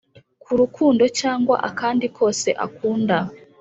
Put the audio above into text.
k’urukundo cyangwa akandi kose akunda,